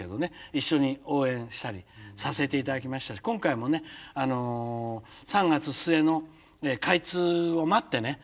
一緒に応援したりさせて頂きましたし今回も３月末の開通を待ってね